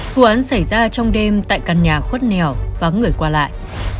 vụ án xảy ra trong đêm tại căn nhà khuất nèo và người qua lại